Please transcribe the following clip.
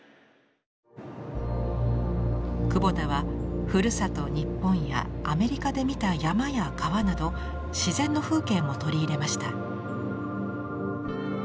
久保田はふるさと日本やアメリカで見た山や川など自然の風景も取り入れました。